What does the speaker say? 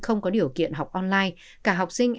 không có điều kiện học online cả học sinh